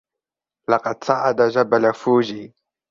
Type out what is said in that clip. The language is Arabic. لقد صعد جبل فوجي.